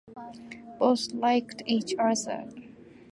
Both liked each other.